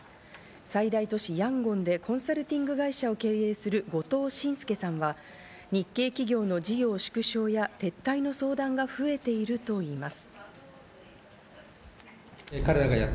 最大都市・ヤンゴンでコンサルティング会社を経営する後藤信介さんは日系企業の事業縮小や撤退の相談が増えているといいます。